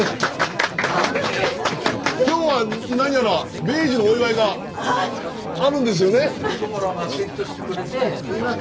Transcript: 今日は何やら米寿のお祝いがあるんですよね？